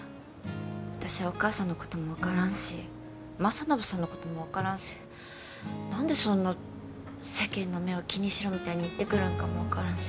私はお母さんのことも分からんし政信さんのことも分からんし何でそんな世間の目を気にしろみたいに言ってくるんかも分からんし